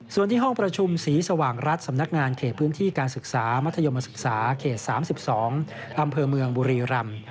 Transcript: ส่วนที่ห้องประชุมศรีสว่างรัฐสำนักงานเขตพื้นที่การศึกษามัธยมศึกษาเขต๓๒อำเภอเมืองบุรีรำ